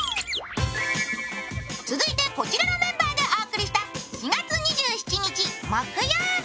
続いてこちらのメンバーでお送りした４月２７日木曜日。